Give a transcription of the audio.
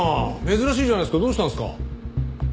珍しいじゃないですかどうしたんですか？